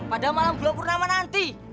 pada malam bulan purnama nanti